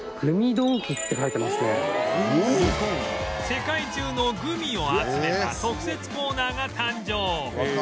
世界中のグミを集めた特設コーナーが誕生！